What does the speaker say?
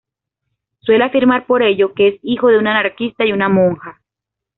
Suele afirmar, por ello, que es "hijo de un anarquista y una monja".